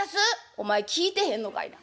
「お前聞いてへんのかいな。